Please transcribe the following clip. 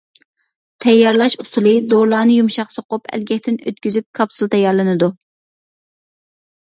تەييارلاش ئۇسۇلى: دورىلارنى يۇمشاق سوقۇپ، ئەلگەكتىن ئۆتكۈزۈپ، كاپسۇل تەييارلىنىدۇ.